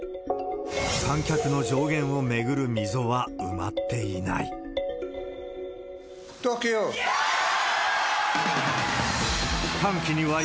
観客の上限を巡る溝は埋まっていない。